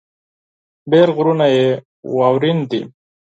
ډېر غرونه يې واؤرين دي ـ